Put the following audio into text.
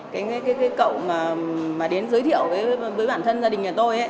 rồi gửi qua cậu mà đến giới thiệu với bản thân gia đình nhà tôi